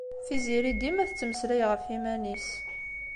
Tiziri dima tettmeslay ɣef yiman-is.